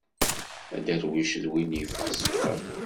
Aderwic d win yeffeɣ swab.